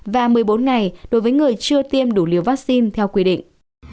và một mươi bốn ngày đối với người chưa tiêm đủ liều vaccine theo quy định